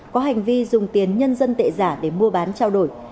có hành vi dùng tiền nhân dân tệ giả để mua bán trao đổi